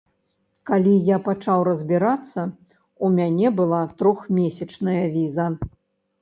Калі я пачаў разбірацца, у мяне была трохмесячная віза.